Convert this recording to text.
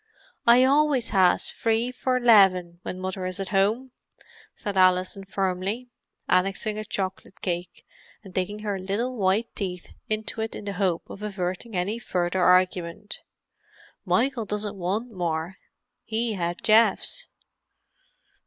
"I always has free four 'leven when mother is at home," said Alison firmly, annexing a chocolate cake and digging her little white teeth into it in the hope of averting any further argument. "Michael doesn't want more, he had Geoff's."